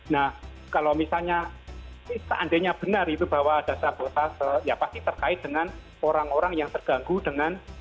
nah kalau misalnya seandainya benar itu bahwa ada sabotase ya pasti terkait dengan orang orang yang terganggu dengan